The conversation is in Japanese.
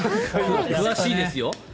詳しいですよ。